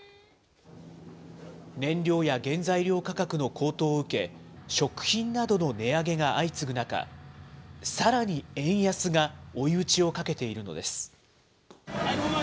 燃料や原材料価格の高騰を受け、食品などの値上げが相次ぐ中、さらに円安が追い打ちをかけているのです。